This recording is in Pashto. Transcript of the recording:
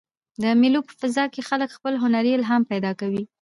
د مېلو په فضا کښي خلک خپل هنري الهام پیدا کوي.